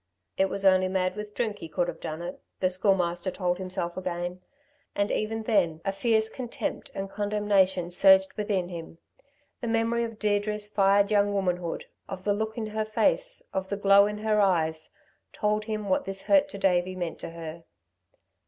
"It was only mad with drink he could have done it," the Schoolmaster told himself again. And even then a fierce contempt and condemnation surged within him. The memory of Deirdre's fired young womanhood; of the look in her face, of the glow in her eyes, told him what this hurt to Davey meant to her.